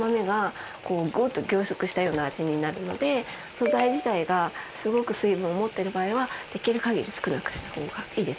素材自体がすごく水分を持ってる場合はできるかぎり少なくしたほうがいいです。